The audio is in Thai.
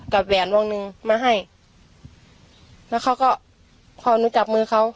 แหวนวงหนึ่งมาให้แล้วเขาก็พอหนูจับมือเขา